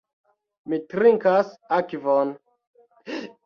Mi trinkas akvon.